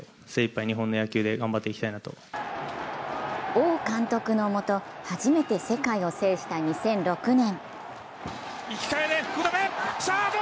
王監督のもと、初めて世界を制した２００６年。